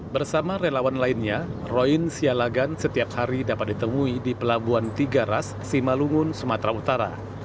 bersama relawan lainnya roin sialagan setiap hari dapat ditemui di pelabuhan tiga ras simalungun sumatera utara